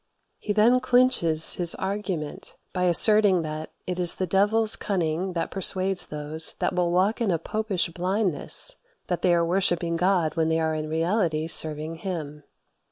He then clinches his argument by asserting that "it is the devil's cunning that persuades those that will walk in a popish blindness" that they are worshipping God when they are in reality serving him.